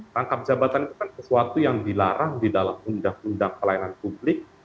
rangkap jabatan itu kan sesuatu yang dilarang di dalam undang undang pelayanan publik